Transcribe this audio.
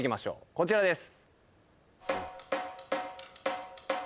こちらです